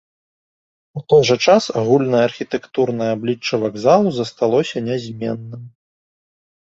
У той жа час агульнае архітэктурнае аблічча вакзалу засталося нязменным.